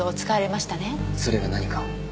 それが何か？